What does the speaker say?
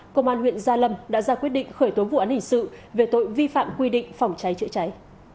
công an huyện gia lâm đã ra quyết định khởi tố vụ án hình sự về tội vi phạm quy định phòng cháy chữa cháy